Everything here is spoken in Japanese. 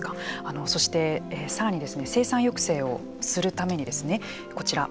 そして、さらに生産抑制をするためにこちら。